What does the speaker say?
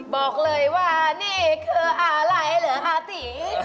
บอกเลยว่านี่คืออะไรเหลือฮาติ